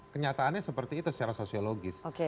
kenyataannya seperti itu secara sosiologis